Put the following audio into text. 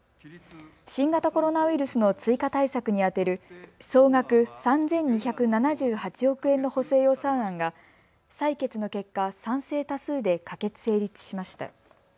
新型コロナウイルスの追加対策に充てる総額３２７８億円の補正予算案が採決の結果、賛成多数で可決・成立しました。